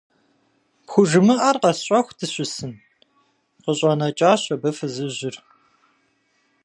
ПхужымыӀэр къэсщӀэху дыщысын? – къыщӀэнэкӀащ абы фызыжьыр.